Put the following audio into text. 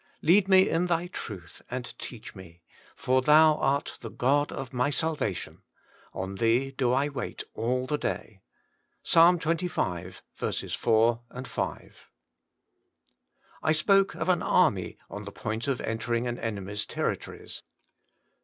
Lead me in Thy tmth, and teach me ; For Thou art the God of my salvation ; On Thee do I wait all the day/ — Ps. xxr. 4, 5. I SPOKE of an army on the point of entering an enemy's territories.